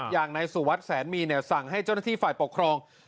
อย่างนายสุวัสดิแสนมีสั่งให้เจ้าหน้าที่ฝ่ายปกครอง